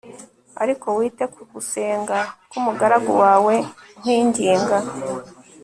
ariko wite ku gusenga k'umugaragu wawe nkwinginga